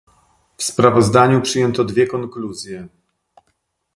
W sprawozdaniu przyjęto dwie konkluzje